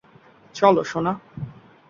চলো, সোনা।